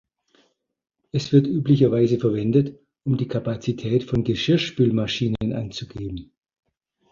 Es wird üblicherweise verwendet, um die Kapazität von Geschirrspülmaschinen anzugeben.